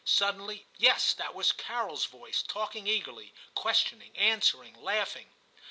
Suddenly, — yes, that was Carol's voice, talking eagerly, questioning, answering, laughing.